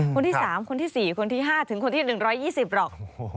คนที่๓คนที่๔คนที่๕ถึงคนที่๑๒๐หรอก